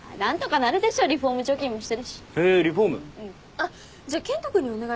あっじゃあ健人君にお願いすれば？